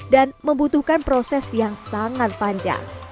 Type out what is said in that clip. dan membutuhkan proses yang sangat panjang